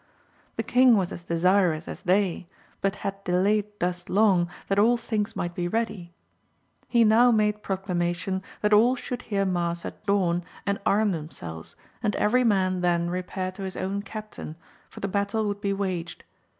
The king was as desirous as they, but had delayed thus long that all things might be ready : he now made proclamation that all should hear mass at dawn and arm themselves, and every man then repair to his own captain, for the battle would be waged.